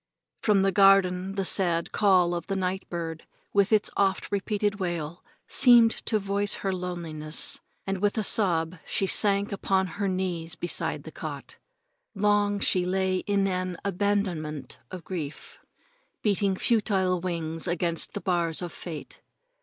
From the garden the sad call of a night bird, with its oft repeated wail, seemed to voice her loneliness, and with a sob she sank upon her knees beside the cot. Long she lay in an abandonment of grief, beating futile wings against the bars of fate.